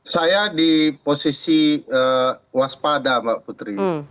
saya di posisi waspada mbak putri